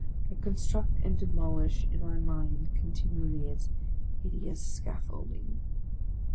I construct and demolish in my mind continually its hideous scaffolding.